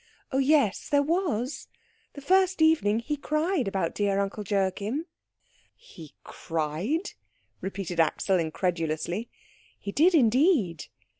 "Oh yes, there was. The first evening he cried about dear Uncle Joachim." "He cried?" repeated Axel incredulously. "He did indeed."